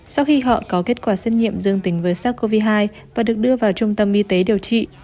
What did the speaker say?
sau khi họ có kết quả xét nghiệm dương tính với sars cov hai và được đưa vào trung tâm y tế điều trị